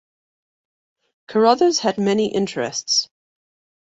Carruthers had many interests.